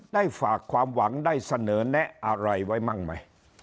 ได้ฝากความหวังได้เสนอแนะอะไรไว้มั่งไหม